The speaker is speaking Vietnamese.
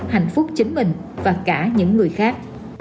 hạnh phúc chính mình và cả những người khác